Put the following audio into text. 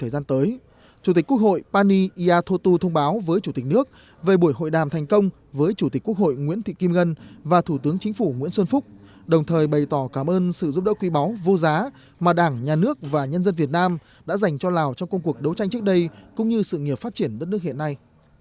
đặc biệt là việc lào đã đảm thành công với chủ tịch quốc hội nguyễn thị kim ngân và thủ tướng chính phủ nguyễn xuân phúc đồng thời bày tỏ cảm ơn sự giúp đỡ quý báu vô giá mà đảng nhà nước và nhân dân việt nam đã dành cho lào trong công cuộc đấu tranh trước đây cũng như sự nghiệp phát triển đất nước hiện nay